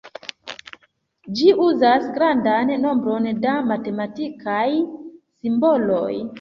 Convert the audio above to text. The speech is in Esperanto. Ĝi uzas grandan nombron da matematikaj simboloj.